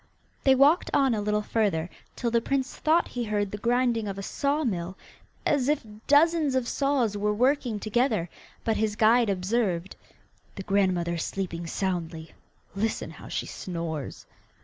They walked on a little further, till the prince thought he heard the grinding of a saw mill, as if dozens of saws were working together, but his guide observed, 'The grandmother is sleeping soundly; listen how she snores.